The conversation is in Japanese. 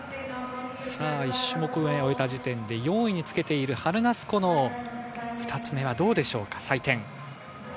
１種目めを終えた時点で４位につけているハルナスコの２つ目はどうでしょうか。